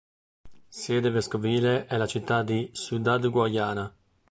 Sede vescovile è la città di Ciudad Guayana.